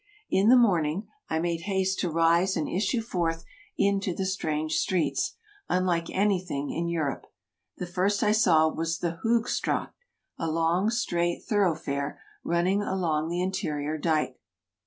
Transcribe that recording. In the morning I made haste to rise and issue forth into the strange streets, unlike anything in Europe. The first I saw was the Hoog Straat, a long, straight thoroughfare, run ning along the interior dike.